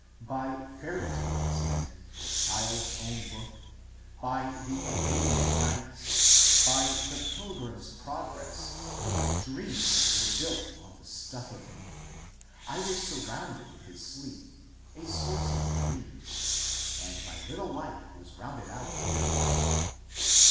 By fairy tales in '' The Child's Own Book," by the ^* Arabian Nights," by "The Pilgrim's Progress," dreams were built on the stuff of me ; I was surrounded with a sleep — a source of dreams — and my little life was rounded out thereby.